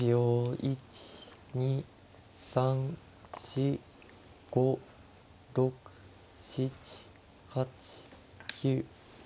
１２３４５６７８９。